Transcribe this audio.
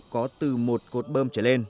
có từ một cột bơm trở lên